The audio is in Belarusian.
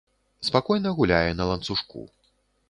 Спакойна гуляе на ланцужку.